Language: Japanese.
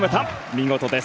見事です。